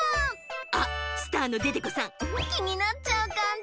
あっスターのデテコさんきになっちゃうかんじ？